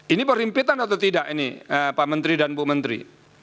ini perhimpitan atau tidak ini pak menteri dan bu menteri